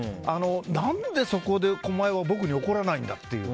何で、そこでお前は僕に怒らないんだっていう。